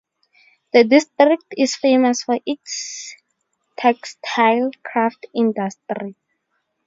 The district is famous for its textile craft industry.